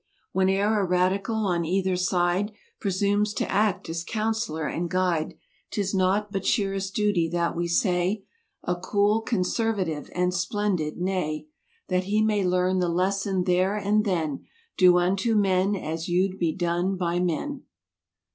Whene'er a radical on either side Presumes to act as counsellor and guide, 'Tis naught but sheerest duty that we say, 174 A cool, conservative and splendid "nay" That he may learn the lesson there and then—• "Do unto men as you'd be done by men!"